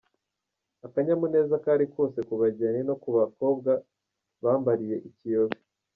Akanyamuneza kari kose ku bageni no ku bakobwa bambariye Kiyobe.